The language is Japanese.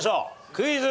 クイズ。